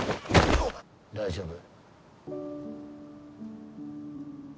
大丈夫？